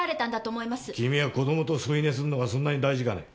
君は子供と添い寝するのがそんなに大事かね。